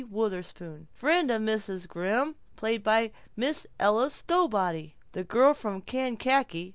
Wutherspoon Friend of Mrs. Grimm ...... Miss Ella Stowbody The girl from Kankakee